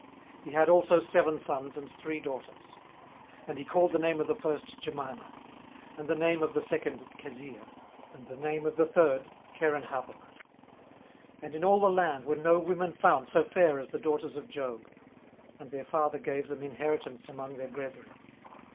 18:042:013 He had also seven sons and three daughters. 18:042:014 And he called the name of the first, Jemima; and the name of the second, Kezia; and the name of the third, Kerenhappuch. 18:042:015 And in all the land were no women found so fair as the daughters of Job: and their father gave them inheritance among their brethren.